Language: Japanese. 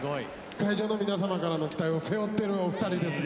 会場の皆様からの期待を背負ってるお二人ですが。